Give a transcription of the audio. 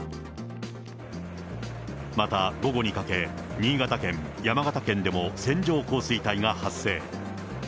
また午後にかけ、新潟県、山形県でも線状降水帯が発生。